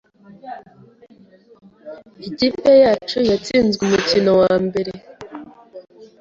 Ikipe yacu yatsinzwe umukino wambere.